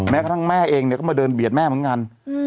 กระทั่งแม่เองเนี่ยก็มาเดินเบียดแม่เหมือนกัน